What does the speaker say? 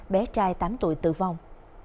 bé trai tám tuổi tử vong